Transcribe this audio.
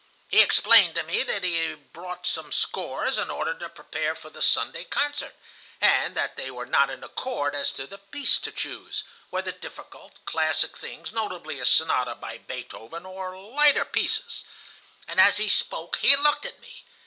He explained to me that he had brought some scores, in order to prepare for the Sunday concert, and that they were not in accord as to the piece to choose,—whether difficult, classic things, notably a sonata by Beethoven, or lighter pieces. "And as he spoke, he looked at me.